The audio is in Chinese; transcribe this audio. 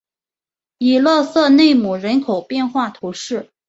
伊勒瑟奈姆人口变化图示